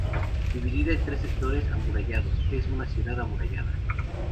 Dividida en tres sectores amurallados, es una ciudad amurallada.